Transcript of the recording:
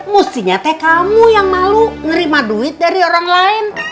mestinya teh kamu yang malu nerima duit dari orang lain